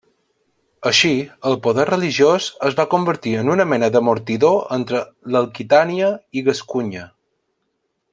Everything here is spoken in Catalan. Així, el poder religiós es va convertir en una mena d'amortidor entre l'Aquitània i Gascunya.